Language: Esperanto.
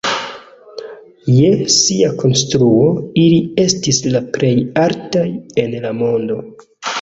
Je sia konstruo, ili estis la plej altaj en la mondo.